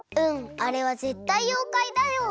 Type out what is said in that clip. あれはぜったいようかいだよ！